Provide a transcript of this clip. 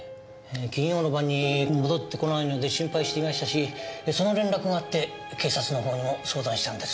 金曜の晩に戻ってこないので心配していましたしその連絡があって警察のほうにも相談したんです。